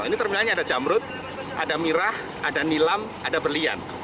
ini terminalnya ada jamrut ada mirah ada nilam ada berlian